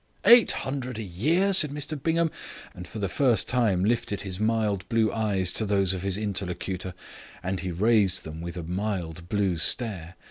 "Eight hundred a year!" said Mr Bingham, and for the first time lifted his mild blue eyes to those of his interlocutor and he raised them with a mild blue stare.